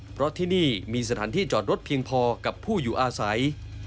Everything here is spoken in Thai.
เพราะที่นี่มีสถานที่จอดรถเพียงพอกับผู้อยู่อาศัย